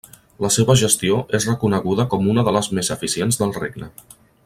La seva gestió és reconeguda com una de les més eficients del regne.